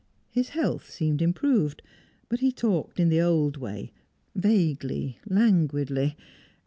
His health seemed improved, but he talked in the old way, vaguely, languidly.